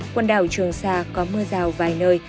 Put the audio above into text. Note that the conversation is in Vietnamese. quần đảo trường sa có mưa rào vài nơi